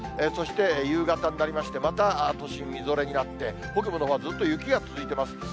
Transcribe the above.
そして、夕方になりまして、また都心、みぞれになって、北部のほうはずっと雪が続いてます。